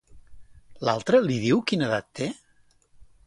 L'altre li diu quina edat té?